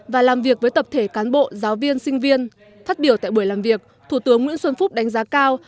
và làm việc với tập thể cán bộ giáo viên sinh viên phát biểu tại buổi làm việc thủ tướng nguyễn xuân phúc đánh giá cao